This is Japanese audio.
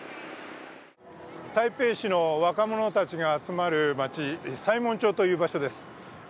台北市の若者たちが集まる街、西門町という街です。